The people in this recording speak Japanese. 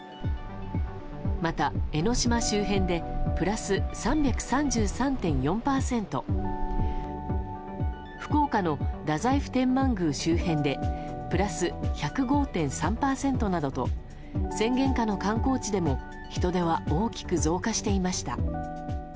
また、江の島周辺でプラス３３３．４％福岡の太宰府天満宮周辺でプラス１０５．３％などと宣言下の観光地でも人出は大きく増加していました。